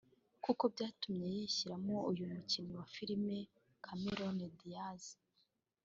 kuko byatumye yishyiramo uyu mukinnyi wa Filimi Cameron Diaz